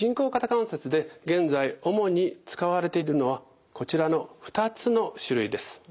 関節で現在主に使われているのはこちらの２つの種類です。